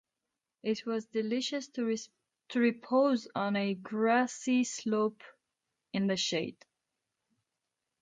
It was delicious to repose on a grassy slope in the shade.